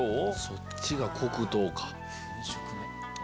そっちが黒糖か。